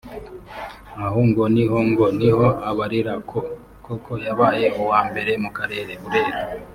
Aho ngo niho ngo niho abarira ko koko yabaye uwa mbere mu karere (Burera)